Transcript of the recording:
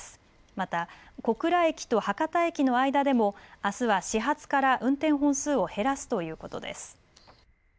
また小倉駅と博多駅の間でもあすは始発から運転本数を減らすということです。